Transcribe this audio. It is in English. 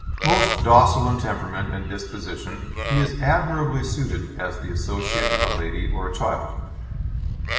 Most docile in temperament and disposition, he is admirably suited as the associate of a lady or a child.